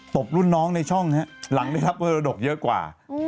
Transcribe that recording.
ตบรุ่นน้องในช่องนี้หลังนี้ครับโปรดกเยอะกว่า